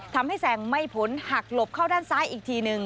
ทำให้แสงไม่พ้นหักหลบเข้าด้านซ้ายอีกทีหนึ่ง